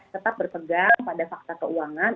tetap berpegang pada fakta keuangan